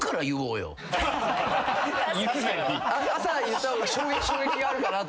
朝言った方が衝撃があるかなと。